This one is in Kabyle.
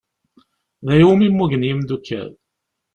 D aya iwmi mmugen yimdukal.